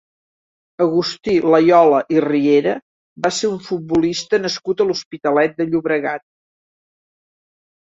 Agustí Layola i Riera va ser un futbolista nascut a l'Hospitalet de Llobregat.